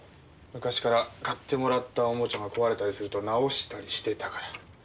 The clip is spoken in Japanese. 昔から買ってもらったおもちゃが壊れたりすると直したりしてたから。